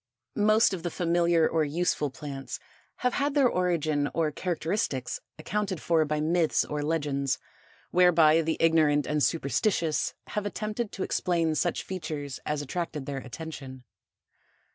Most of the familiar or useful plants have had their origin or characteristics accounted for by myths or legends, whereby the ignorant and superstitious have attempted to explain such features as attracted their attention.